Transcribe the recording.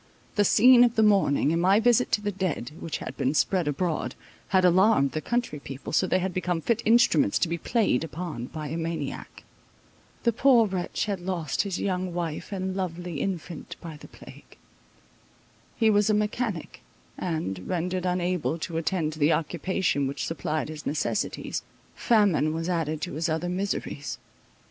The scene of the morning, and my visit to the dead, which had been spread abroad, had alarmed the country people, so they had become fit instruments to be played upon by a maniac. The poor wretch had lost his young wife and lovely infant by the plague. He was a mechanic; and, rendered unable to attend to the occupation which supplied his necessities, famine was added to his other miseries.